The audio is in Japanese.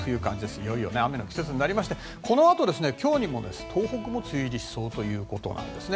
いよいよ雨の季節になりましてこのあと今日にも東北も梅雨入りしそうということです。